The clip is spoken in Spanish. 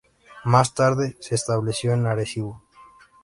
Más tarde, se estableció en Arecibo.